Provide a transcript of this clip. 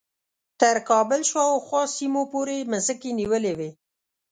تر کابل شاوخوا سیمو پورې مځکې نیولې وې.